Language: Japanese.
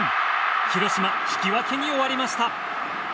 広島、引き分けに終わりました。